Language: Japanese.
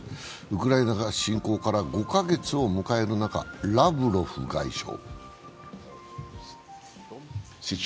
ウクライナ侵攻から５カ月を迎える中、ラブロフ外相。